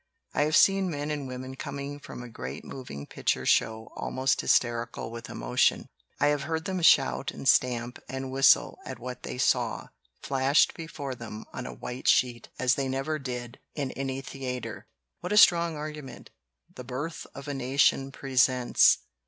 "I have seen men and women coming from a great moving picture show almost hysterical with emotion. I have heard them shout and stamp and whistle at what they saw flashed before them on a white sheet as they never did in any theater. "What a strong argument 'The Birth of a Nation' presents!